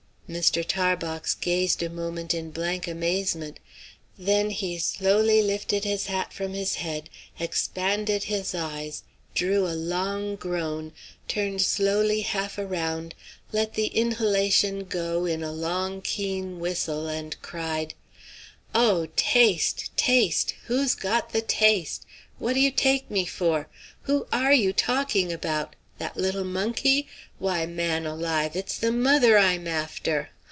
Mr. Tarbox gazed a moment in blank amazement. Then he slowly lifted his hat from his head, expanded his eyes, drew a long slow groan, turned slowly half around, let the inhalation go in a long keen whistle, and cried: "Oh! taste! taste! Who's got the taste? What do you take me for? Who are you talking about? That little monkey? Why, man alive, it's the mother I'm after.